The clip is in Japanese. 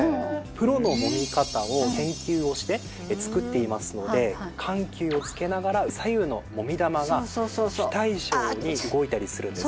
プロのもみ方を研究をして作っていますので緩急をつけながら左右のもみ玉が非対称に動いたりするんです。